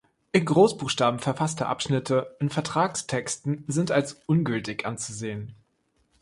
In Großbuchstaben verfasste Abschnitte in Vertragstexten sind als ungültig anzusehen.